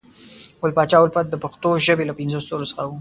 ګل پاچا الفت د پښنو ژبې له پنځو ستورو څخه وو